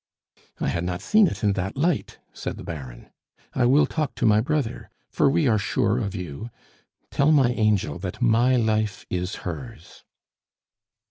"I had not seen it in that light!" said the Baron. "I will talk to my brother for we are sure of you. Tell my angel that my life is hers."